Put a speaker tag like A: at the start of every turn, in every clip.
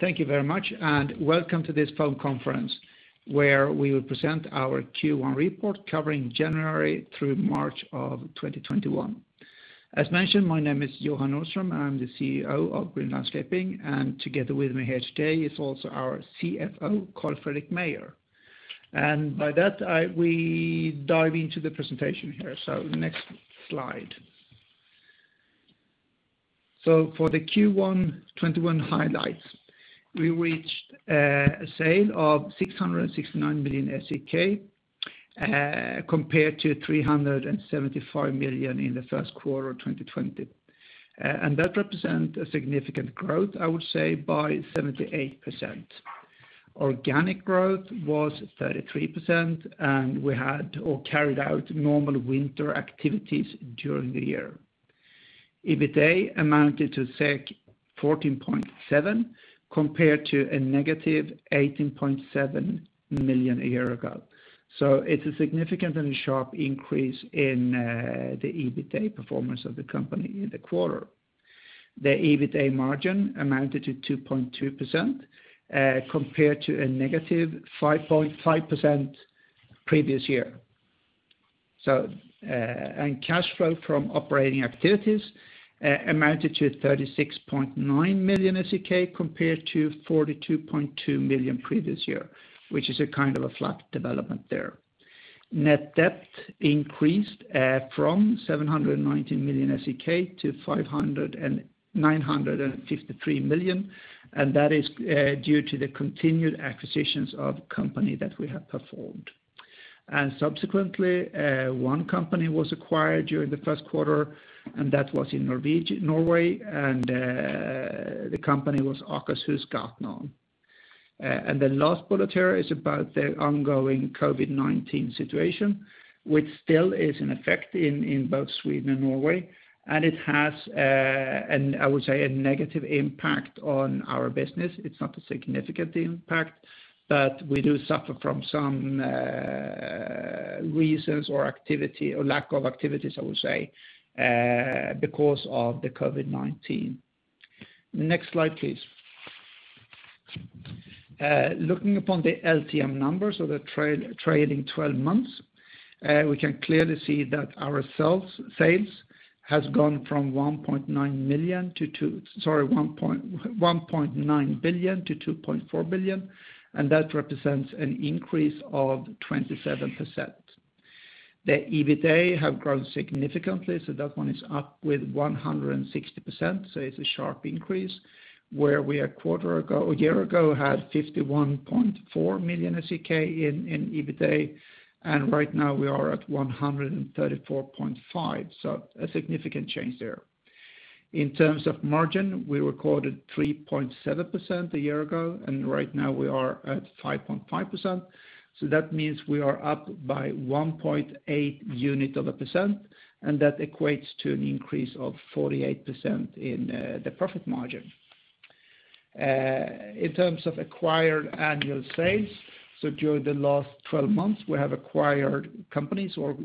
A: Thank you very much. Welcome to this phone conference where we will present our Q1 report covering January through March of 2021. As mentioned, my name is Johan Nordström. I am the CEO of Green Landscaping. Together with me here today is also our CFO, Carl-Fredrik Meijer. By that, we dive into the presentation here. Next slide. For the Q1 2021 highlights, we reached a sale of 669 million SEK, compared to 375 million in the first quarter of 2020. That represent a significant growth, I would say, by 78%. Organic growth was 33%. We had or carried out normal winter activities during the year. EBITA amounted to 14.7 compared to a negative 18.7 million a year ago. It's a significant and sharp increase in the EBITA performance of the company in the quarter. The EBITA margin amounted to 2.2% compared to a negative 5.5% previous year. Cash flow from operating activities amounted to 36.9 million SEK compared to 42.2 million previous year, which is a kind of a flat development there. Net debt increased from 719 million SEK to 953 million, that is due to the continued acquisitions of company that we have performed. Subsequently, one company was acquired during the first quarter, that was in Norway, and the company was Akershusgartneren. The last bullet here is about the ongoing COVID-19 situation, which still is in effect in both Sweden and Norway, and it has, I would say, a negative impact on our business. It's not a significant impact, but we do suffer from some reasons or lack of activities, I would say, because of the COVID-19. Next slide, please. Looking upon the LTM numbers of the trailing 12 months, we can clearly see that our sales has gone from 1.9 billion to 2.4 billion, that represents an increase of 27%. The EBITA have grown significantly, that one is up with 160%, it's a sharp increase, where we a year ago had 51.4 million SEK in EBITA, right now we are at 134.5 million, a significant change there. In terms of margin, we recorded 3.7% a year ago, right now we are at 5.5%, that means we are up by 1.8 unit of a percent, that equates to an increase of 48% in the profit margin. In terms of acquired annual sales, during the last 12 months, we have acquired companies or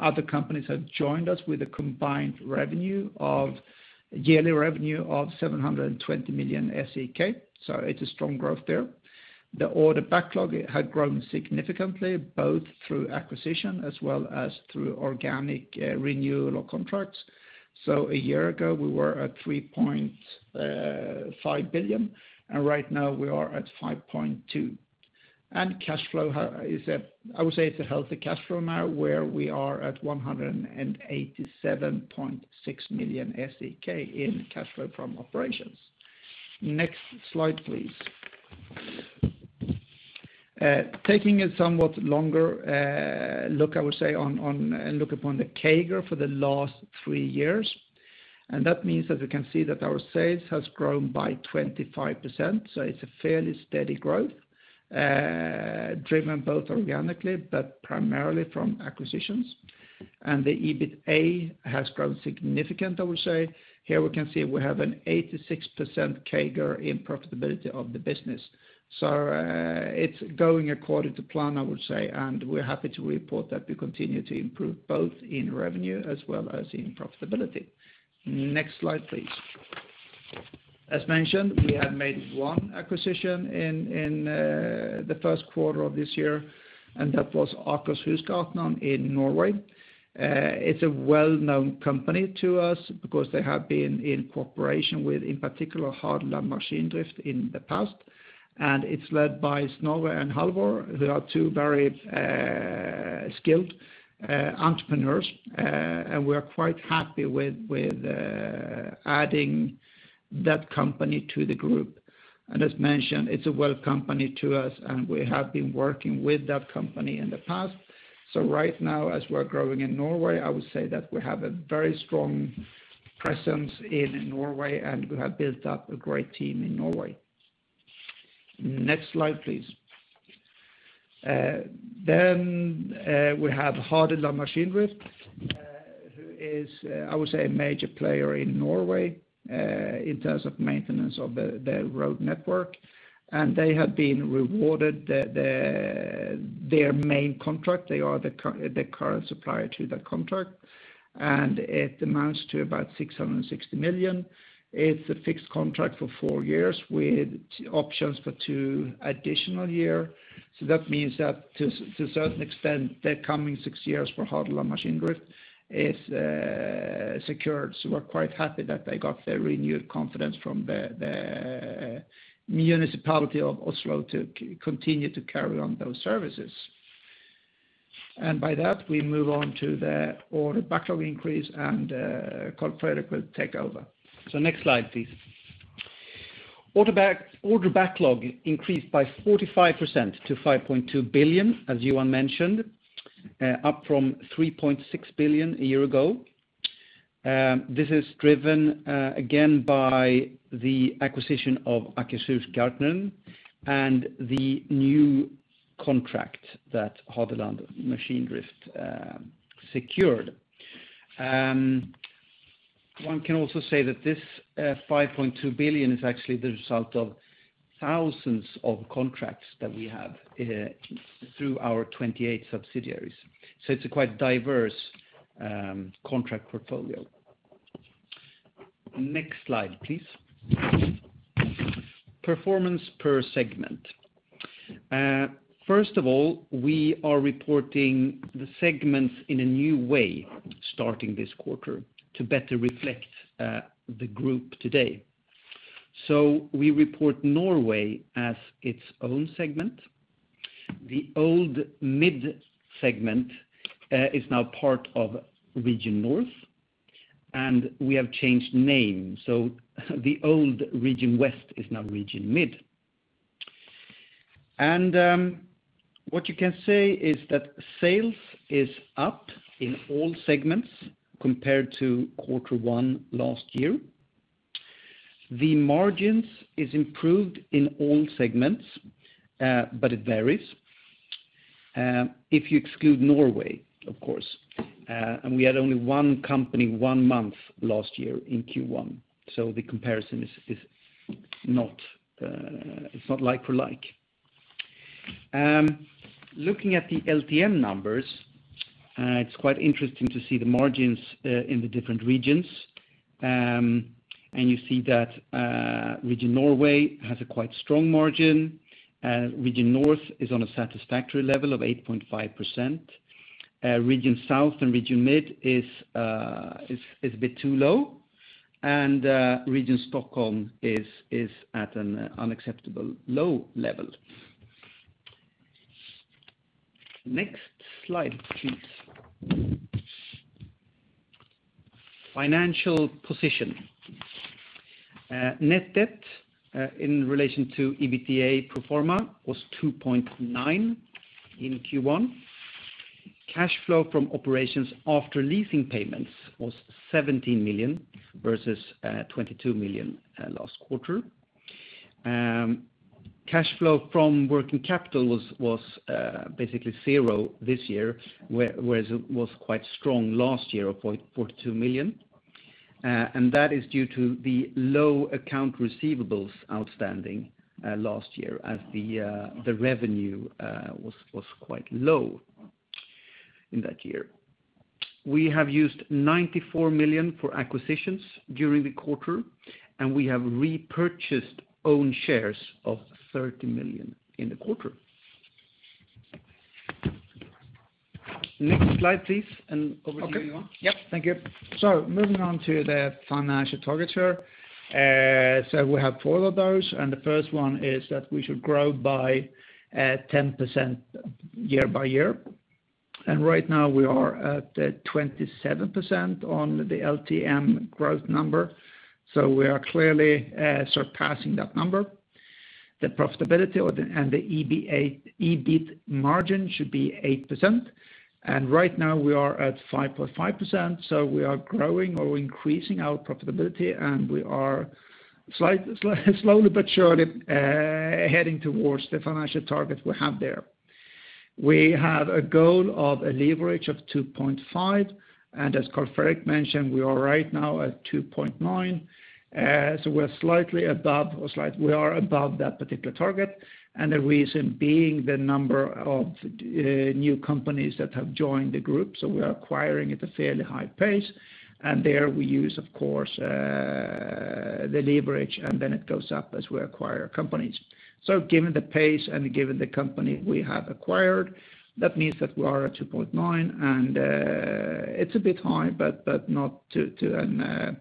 A: other companies have joined us with a combined yearly revenue of 720 million SEK, it's a strong growth there. The order backlog had grown significantly, both through acquisition as well as through organic renewal of contracts. A year ago, we were at 3.5 billion. Right now we are at 5.2 billion. Cash flow is at, I would say it's a healthy cash flow now where we are at 187.6 million SEK in cash flow from operations. Next slide, please. Taking a somewhat longer look, I would say. Look upon the CAGR for the last three years. That means that we can see that our sales has grown by 25%. It's a fairly steady growth, driven both organically but primarily from acquisitions. The EBITA has grown significantly, I would say. Here we can see we have an 86% CAGR in profitability of the business. It's going according to plan, I would say, and we're happy to report that we continue to improve both in revenue as well as in profitability. Next slide, please. As mentioned, we had made one acquisition in the first quarter of this year, and that was Akershusgartneren in Norway. It's a well-known company to us because they have been in cooperation with, in particular, Hadeland Maskindrift in the past. It's led by Snorre and Halvor, they are two very skilled entrepreneurs. We are quite happy with adding that company to the group. As mentioned, it's a well company to us, and we have been working with that company in the past. Right now, as we're growing in Norway, I would say that we have a very strong presence in Norway, and we have built up a great team in Norway. Next slide, please. We have Hadeland Maskindrift, I would say, a major player in Norway in terms of maintenance of the road network. They have been rewarded their main contract. They are the current supplier to that contract. It amounts to about 660 million. It's a fixed contract for four years with options for two additional year. That means that to certain extent, the coming six years for Hadeland Maskindrift is secured. We're quite happy that they got their renewed confidence from the municipality of Oslo to continue to carry on those services. By that, we move on to the order backlog increase. Carl-Fredrik will take over.
B: Next slide, please. Order backlog increased by 45% to 5.2 billion, as Johan mentioned, up from 3.6 billion a year ago. This is driven, again, by the acquisition of Akershusgartneren and the new contract that Hadeland Maskindrift secured. One can also say that this 5.2 billion is actually the result of thousands of contracts that we have through our 28 subsidiaries. It's a quite diverse contract portfolio. Next slide, please. Performance per segment. First of all, we are reporting the segments in a new way starting this quarter to better reflect the group today. We report Norway as its own segment. The old Mid segment is now part of Region North. We have changed names, the old Region West is now Region Mid. What you can say is that sales is up in all segments compared to quarter one last year. The margins is improved in all segments, but it varies. If you exclude Norway, of course, and we had only one company one month last year in Q1, so the comparison is not like for like. Looking at the LTM numbers, it's quite interesting to see the margins in the different regions. You see that Region Norway has a quite strong margin. Region North is on a satisfactory level of 8.5%. Region South and Region Mid is a bit too low. Region Stockholm is at an unacceptable low level. Next slide, please. Financial position. Net debt, in relation to EBITDA pro forma, was 2.9 in Q1. Cash flow from operations after leasing payments was 17 million versus 22 million last quarter. Cash flow from working capital was basically zero this year, whereas it was quite strong last year of 42 million. That is due to the low account receivables outstanding last year as the revenue was quite low in that year. We have used 94 million for acquisitions during the quarter, and we have repurchased own shares of 30 million in the quarter. Next slide, please, and over to you, Johan.
A: Yep, thank you. Moving on to the financial targets here. We have four of those, and the first one is that we should grow by 10% year by year. Right now we are at 27% on the LTM growth number, so we are clearly surpassing that number. The profitability and the EBITA margin should be 8%, and right now we are at 5.5%, so we are growing or increasing our profitability, and we are slowly but surely heading towards the financial target we have there. We have a goal of a leverage of 2.5, and as Carl-Fredrik mentioned, we are right now at 2.9, so we are above that particular target, and the reason being the number of new companies that have joined the group. We are acquiring at a fairly high pace, and there we use, of course, the leverage, and then it goes up as we acquire companies. Given the pace and given the company we have acquired, that means that we are at 2.9, and it's a bit high, but not to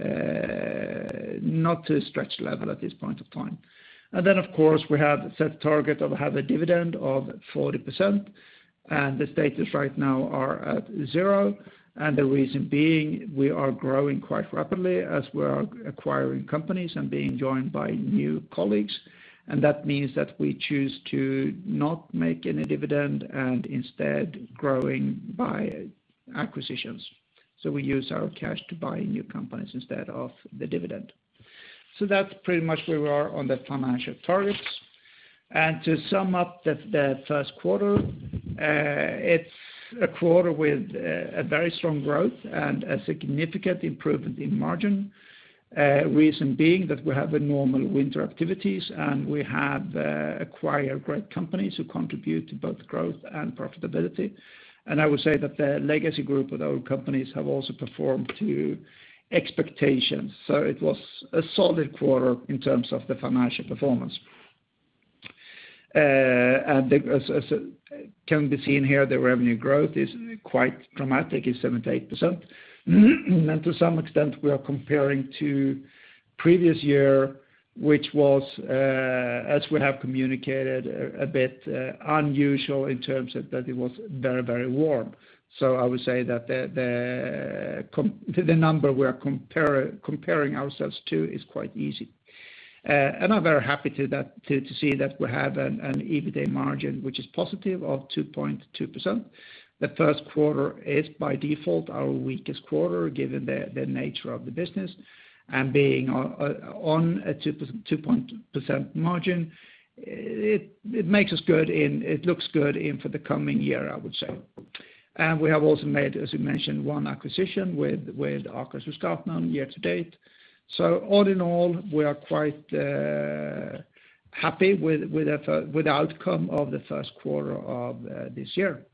A: a stretch level at this point of time. Of course, we have set target of have a dividend of 40%, and the status right now are at zero, and the reason being we are growing quite rapidly as we are acquiring companies and being joined by new colleagues, and that means that we choose to not make any dividend and instead growing by acquisitions. We use our cash to buy new companies instead of the dividend. That's pretty much where we are on the financial targets. To sum up the first quarter, it's a quarter with a very strong growth and a significant improvement in margin. Reason being that we have a normal winter activities, and we have acquired great companies who contribute to both growth and profitability. I would say that the legacy group of the old companies have also performed to expectations. It was a solid quarter in terms of the financial performance. As can be seen here, the revenue growth is quite dramatic, it's 78%. To some extent we are comparing to previous year, which was, as we have communicated, a bit unusual in terms of that it was very warm. I would say that the number we are comparing ourselves to is quite easy. I'm very happy to see that we have an EBITA margin, which is positive, of 2.2%. The first quarter is, by default, our weakest quarter, given the nature of the business. Being on a 2% margin, it looks good in for the coming year, I would say. We have also made, as we mentioned, one acquisition with Akershusgartneren year to date. All in all, we are quite happy with the outcome of the first quarter of this year.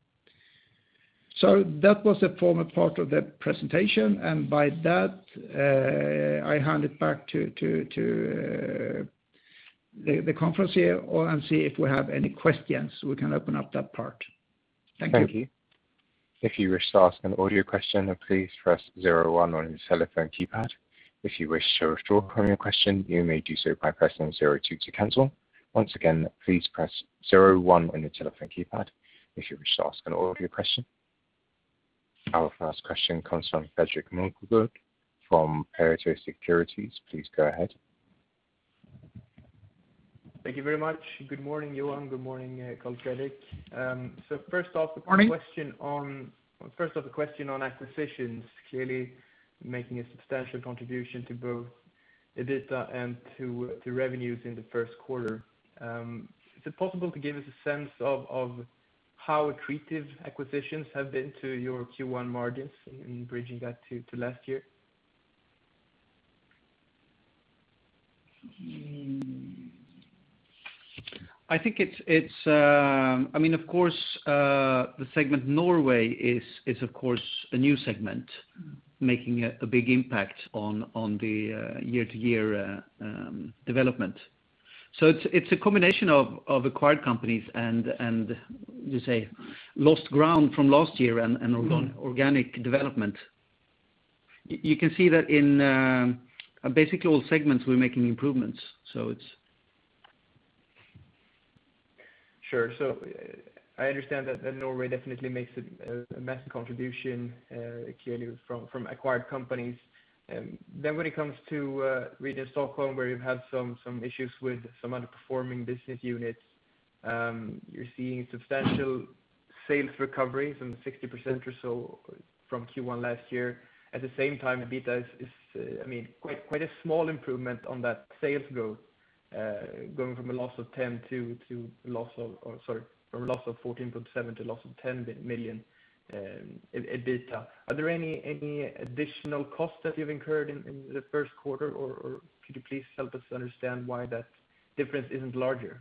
A: That was the formal part of the presentation. By that, I hand it back to the conference here and see if we have any questions. We can open up that part. Thank you.
C: Our first question comes from Patrick from Pareto Securities. Please go ahead.
D: Thank you very much. Good morning, Johan. Good morning, Carl-Fredrik.
A: Morning
D: a question on acquisitions. Clearly making a substantial contribution to both the EBITA and to the revenues in the first quarter. Is it possible to give us a sense of how accretive acquisitions have been to your Q1 margins in bridging that to last year?
A: I think, of course, the Region Norway is a new segment, making a big impact on the year-to-year development. It's a combination of acquired companies and, you say, lost ground from last year and organic development. You can see that in basically all segments we're making improvements.
D: I understand that Norway definitely makes a massive contribution, clearly from acquired companies. When it comes to Region Stockholm, where you've had some issues with some underperforming business units, you're seeing substantial sales recovery, some 60% or so from Q1 last year. At the same time, EBITDA is quite a small improvement on that sales growth, going from a loss of 14.7 million to loss of 10 million in EBITDA. Are there any additional costs that you've incurred in the first quarter, or could you please help us understand why that difference isn't larger?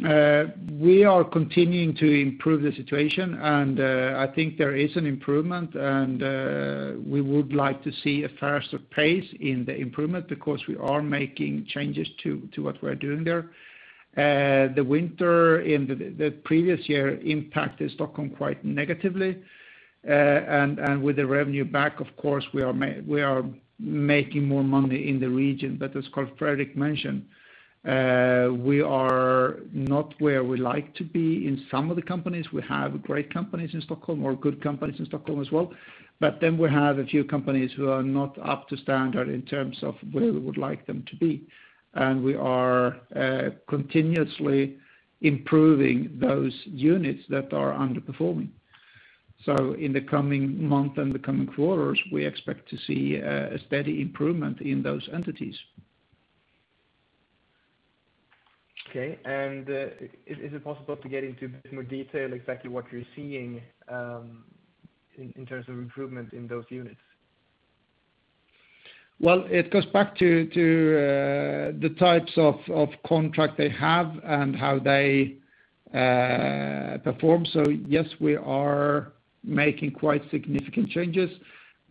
A: We are continuing to improve the situation, and I think there is an improvement, and we would like to see a faster pace in the improvement because we are making changes to what we are doing there. The winter in the previous year impacted Stockholm quite negatively. With the revenue back, of course, we are making more money in the region. As Carl-Fredrik mentioned, we are not where we like to be in some of the companies. We have great companies in Stockholm or good companies in Stockholm as well. We have a few companies who are not up to standard in terms of where we would like them to be. We are continuously improving those units that are underperforming. In the coming month and the coming quarters, we expect to see a steady improvement in those entities.
D: Okay. Is it possible to get into a bit more detail exactly what you're seeing in terms of improvement in those units?
A: Well, it goes back to the types of contract they have and how they perform. Yes, we are making quite significant changes.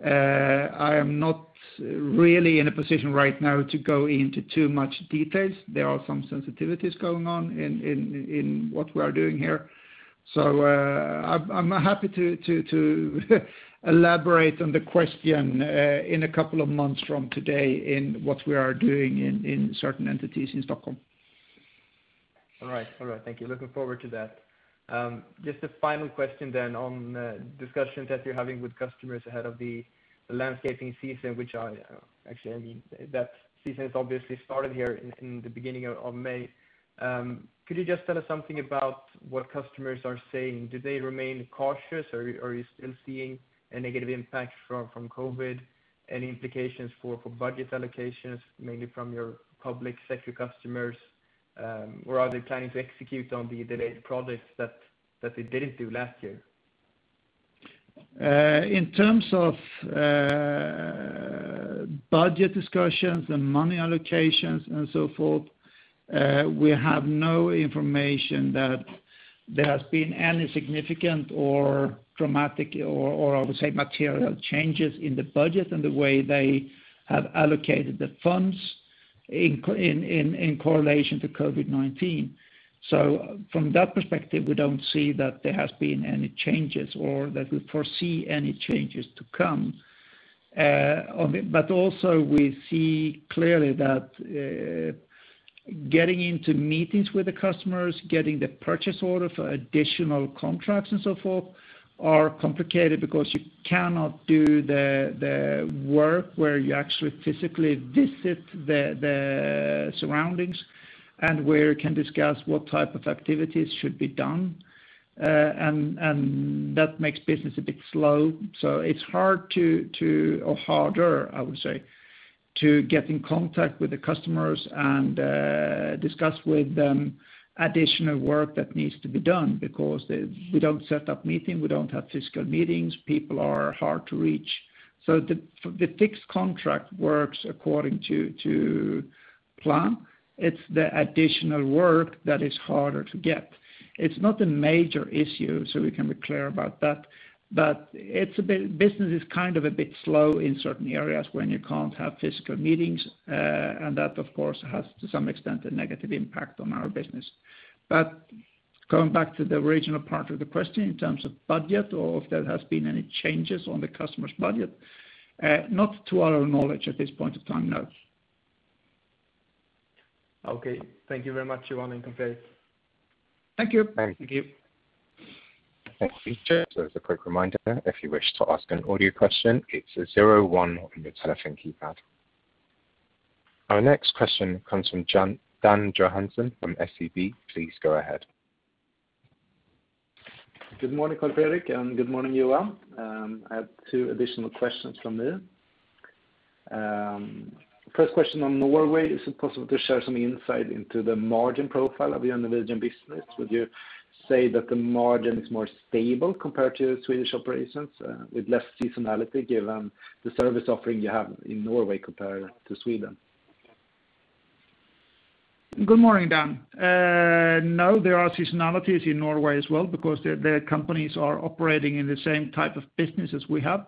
A: I am not really in a position right now to go into too much details. There are some sensitivities going on in what we are doing here. I'm happy to elaborate on the question in a couple of months from today in what we are doing in certain entities in Stockholm.
D: All right. Thank you. Looking forward to that. Just a final question on discussions that you're having with customers ahead of the landscaping season, which actually, that season has obviously started here in the beginning of May. Could you just tell us something about what customers are saying? Do they remain cautious, or are you still seeing a negative impact from COVID? Any implications for budget allocations, mainly from your public sector customers? Or are they planning to execute on the delayed projects that they didn't do last year?
A: In terms of budget discussions and money allocations and so forth, we have no information that there has been any significant or dramatic or, I would say, material changes in the budget and the way they have allocated the funds in correlation to COVID-19. From that perspective, we don't see that there has been any changes or that we foresee any changes to come. Also we see clearly that getting into meetings with the customers, getting the purchase order for additional contracts and so forth, are complicated because you cannot do the work where you actually physically visit the surroundings and where you can discuss what type of activities should be done. That makes business a bit slow. It's harder, I would say, to get in contact with the customers and discuss with them additional work that needs to be done because we don't set up meeting, we don't have physical meetings. People are hard to reach. The fixed contract works according to plan. It's the additional work that is harder to get. It's not a major issue, so we can be clear about that. Business is a bit slow in certain areas when you can't have physical meetings, and that, of course, has to some extent, a negative impact on our business. Going back to the original part of the question in terms of budget or if there has been any changes on the customer's budget, not to our knowledge at this point in time, no.
D: Okay. Thank you very much, Johan and Carl-Fredrik.
A: Thank you.
B: Thank you.
C: Thank you. As a quick reminder, if you wish to ask an audio question, it's a zero one on your telephone keypad. Our next question comes from Dan Johansson from SEB. Please go ahead.
E: Good morning, Carl-Fredrik, and good morning, Johan. I have two additional questions from here. First question on Norway, is it possible to share some insight into the margin profile of your Norwegian business? Would you say that the margin is more stable compared to Swedish operations, with less seasonality given the service offering you have in Norway compared to Sweden?
A: Good morning, Dan. There are seasonalities in Norway as well because their companies are operating in the same type of business as we have.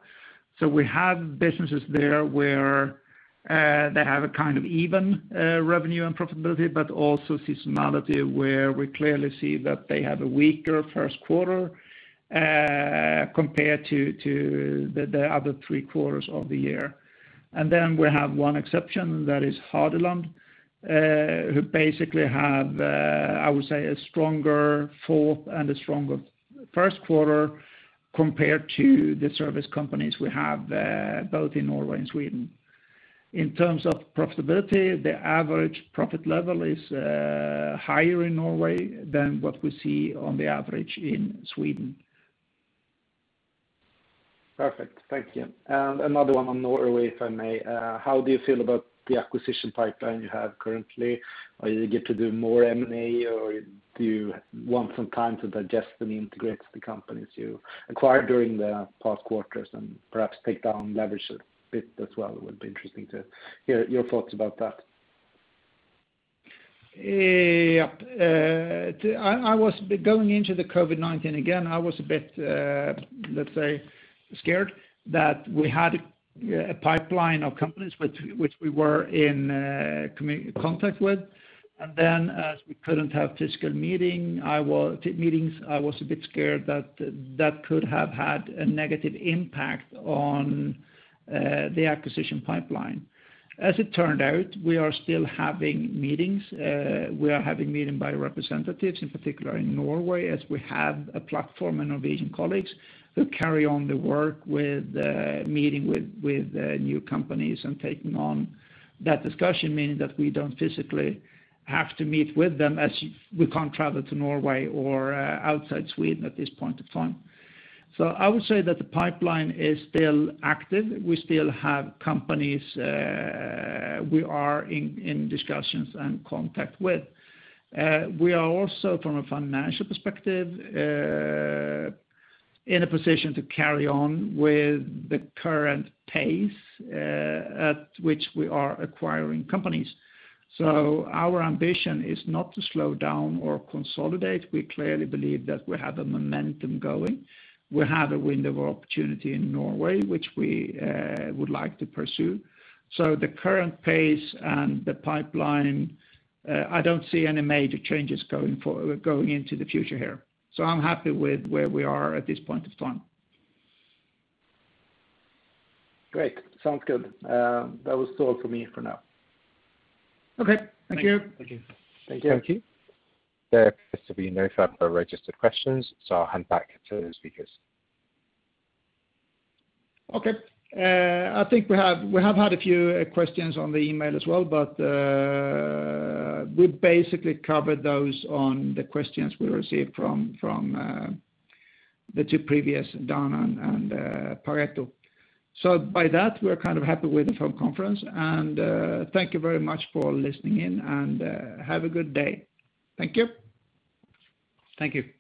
A: We have businesses there where they have an even revenue and profitability, but also seasonality, where we clearly see that they have a weaker first quarter compared to the other three quarters of the year. We have one exception, that is Hadeland who basically have, I would say, a stronger fourth and a stronger first quarter compared to the service companies we have both in Norway and Sweden. In terms of profitability, the average profit level is higher in Norway than what we see on the average in Sweden.
E: Perfect. Thank you. Another one on Norway, if I may. How do you feel about the acquisition pipeline you have currently? Are you going to do more M&A, or do you want some time to digest and integrate the companies you acquired during the past quarters and perhaps take down leverage a bit as well? It would be interesting to hear your thoughts about that.
A: Going into the COVID-19 again, I was a bit, let's say, scared that we had a pipeline of companies which we were in contact with. Then as we couldn't have physical meetings, I was a bit scared that that could have had a negative impact on the acquisition pipeline. As it turned out, we are still having meetings. We are having meeting by representatives, in particular in Norway, as we have a platform and Norwegian colleagues who carry on the work with meeting with new companies and taking on that discussion, meaning that we don't physically have to meet with them as we can't travel to Norway or outside Sweden at this point in time. I would say that the pipeline is still active. We still have companies we are in discussions and contact with. We are also from a financial perspective, in a position to carry on with the current pace at which we are acquiring companies. Our ambition is not to slow down or consolidate. We clearly believe that we have the momentum going. We have a window of opportunity in Norway, which we would like to pursue. The current pace and the pipeline, I don't see any major changes going into the future here. I'm happy with where we are at this point in time.
E: Great. Sounds good. That was all for me for now.
A: Okay. Thank you.
B: Thank you.
C: There appears to be no further registered questions. I'll hand back to the speakers.
A: Okay. I think we have had a few questions on the email as well, but we basically covered those on the questions we received from the two previous, Dan and Pareto. By that, we're happy with the phone conference, and thank you very much for listening in, and have a good day. Thank you.
B: Thank you.